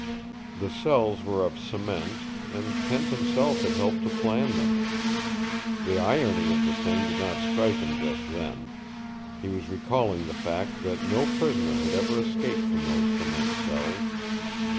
The cells were of cement, and Kent himself had helped to plan them! The irony of the thing did not strike him just then. He was recalling the fact that no prisoner had ever escaped from those cement cells.